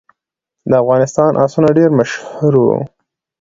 د افغانستان آسونه ډیر مشهور وو